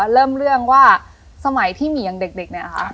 เริ่มเรื่องว่าสมัยที่หมี่อย่างเด็กเนี่ยค่ะ